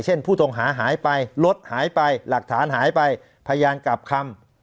ผู้ต้องหาหายไปรถหายไปหลักฐานหายไปพยานกลับคำ